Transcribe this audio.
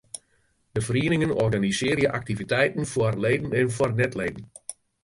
De ferieningen organisearje aktiviteiten foar leden en foar net-leden.